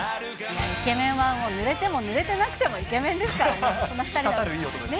イケメンはもうぬれても、ぬれてなくてもイケメンですからね。